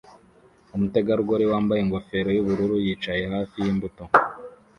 Umutegarugori wambaye ingofero yubururu yicaye hafi yimbuto